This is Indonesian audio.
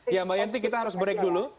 ya mbak yanti kita harus break dulu